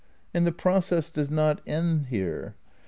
And the process does not end here.